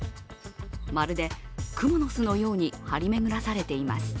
まるでくもの巣のように張り巡らされています。